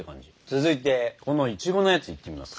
続いてこのいちごのやついってみますか。